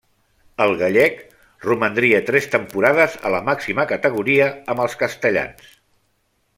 El gallec romandria tres temporades a la màxima categoria amb els castellans.